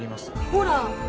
ほら